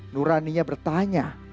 nurani nya bertanya